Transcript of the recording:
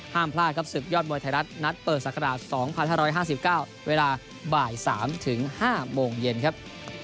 ห้ามพลาดกับ๑๐ยอดมวยไทยรัฐนัดเปิดศักราช๒๕๕๙เวลา๓๕โมงเย็นครับ